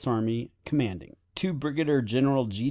Army, commanding_. "To Brigadier General G.